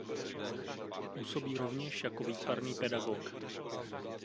Působí rovněž jako výtvarný pedagog.